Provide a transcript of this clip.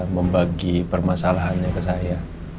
membagi permasalahannya ke saya